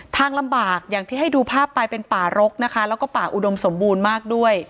ทางลำบากอย่างที่ให้ดูภาพไปเป็นป่ารกและผ่าอุดมสมบูรณ์มาก